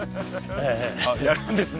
やるんですね